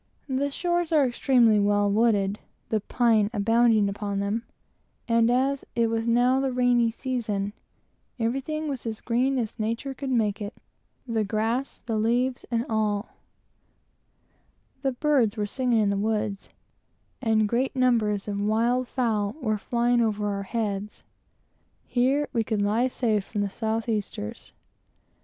The shores are extremely well wooded, (the pine abounding upon them,) and as it was now the rainy season, everything was as green as nature could make it, the grass, the leaves, and all; the birds were singing in the woods, and great numbers of wild fowl were flying over our heads. Here we could lie safe from the south easters.